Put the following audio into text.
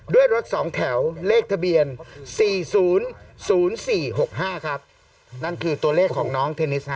ด้วยรถสองแถวเลขทะเบียน๔๐๐๔๖๕ครับนั่นคือตัวเลขของน้องเทนนิสฮะ